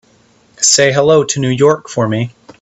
Say hello to New York for me.